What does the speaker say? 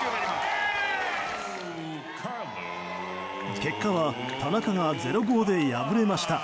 結果は田中が０−５で敗れました。